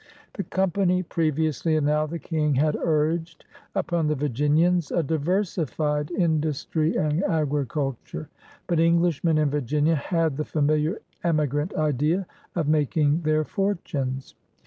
The C!ompany previously, and now the King, had urged upon the Virginians a diversified indus try and agriculture. But Englishmen in Virginia had the familiar emigrant idea of making their fortunes.